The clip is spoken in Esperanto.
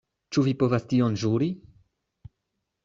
Ĉu vi povas tion ĵuri?